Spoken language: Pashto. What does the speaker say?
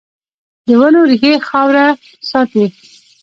د ونو ریښې خاوره ساتي